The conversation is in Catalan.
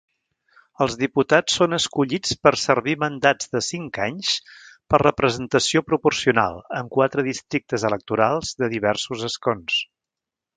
Els diputats són escollits per servir mandats de cinc anys per representació proporcional en quatre districtes electorals de diversos escons.